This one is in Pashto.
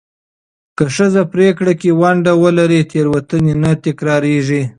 که ښځې پرېکړه کې ونډه ولري، تېروتنې نه تکرارېږي.